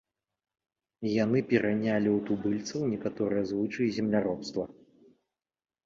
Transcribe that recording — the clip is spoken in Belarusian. Яны перанялі ў тубыльцаў некаторыя звычаі земляробства.